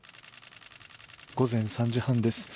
午前３時半です。